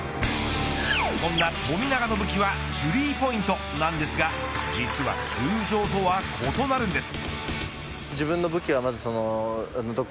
そんな富永の武器はスリーポイントなんですが実は通常とは異なるんです。